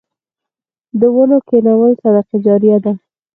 د ونو کینول صدقه جاریه ده.